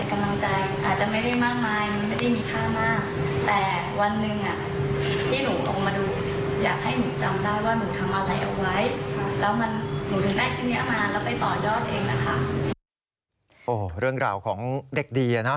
โอ้โหเรื่องกล่าวของเด็กดีนะ